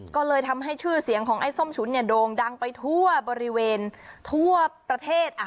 ก็เลยทำให้ชื่อเสียงของไอ้ส้มฉุนโด่งดังไปทั่วบริเวณทั่วประเทศ